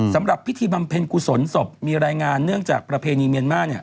สำหรับพิธีบำเพ็ญกุศลศพมีรายงานเนื่องจากประเพณีเมียนมาร์เนี่ย